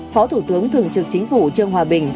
phó thủ tướng thường trực chính phủ trương hòa bình